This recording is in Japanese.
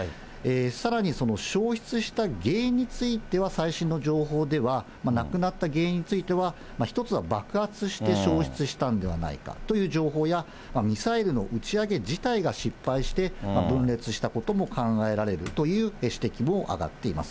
さらにその消失した原因については、最新の情報では、なくなった原因については、１つは爆発して消失したんではないかという情報や、ミサイルの打ち上げ自体が失敗して、分裂したことも考えられるという指摘も上がっています。